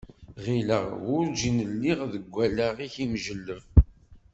Γileɣ werǧin lliɣ deg wallaɣ-ik imǧelleb.